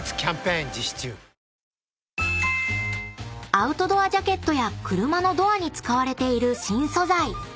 ［アウトドアジャケットや車のドアに使われている新素材］